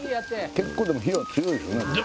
結構でも火が強いですよね？